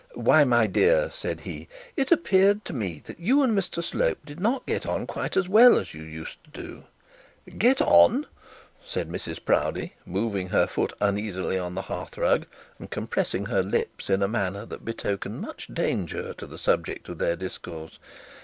'Why, my dear,' said he, 'it appeared to me that you and Mr Slope did not get on quite as well as you used to do.' 'Get on!' said Mrs Proudie, moving her foot uneasily on the hearth rug, and compressing her lips in a manner that betokened such danger to the subject of their discourse.